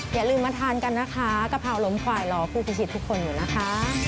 อย่าลืมมาทานกันนะคะกะเพราล้มควายรอผู้พิชิตทุกคนอยู่นะคะ